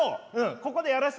ここでやらして。